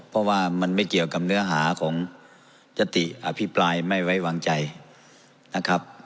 เพราะว่ามันไม่เกี่ยวกับเนื้อหาของยติอภิปรายไม่ไว้วางใจนะครับ